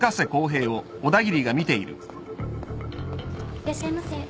いらっしゃいませ。